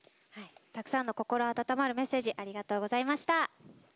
たくさんの心温まるメッセージありがとうございました。